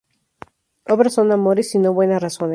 Obras son amores y no buenas razones